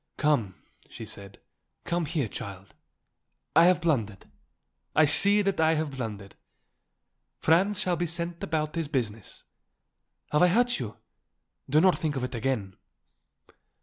"Come," she said, "come here, child. I have blundered. I see that I have blundered. Franz shall be sent about his business. Have I hurt you? Do not think of it again."